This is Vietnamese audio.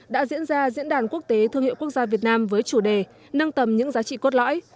đã diễn ra diễn đàn quốc tế thương hiệu quốc gia việt nam với chủ đề nâng tầm những giá trị cốt lõi